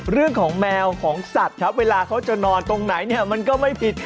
เรื่องของแมวของสัตว์ครับเวลาเขาจะนอนตรงไหนเนี่ยมันก็ไม่ผิด